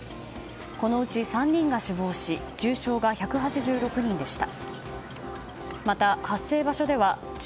このうち３人が死亡し重症が１８６人でした。